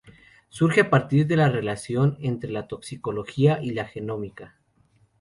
Surge a partir de la relación entre la toxicología y la genómica.